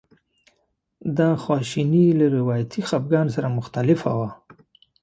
دا خواشیني له روایتي خپګان سره مختلفه وه.